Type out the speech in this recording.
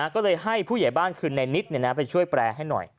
ก็เลยให้ผู้ใหญ่บ้านคือในนิดไปช่วยแปลให้หน่อย